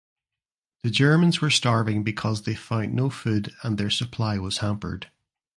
The Germans were starving because they found no food and their supply was hampered.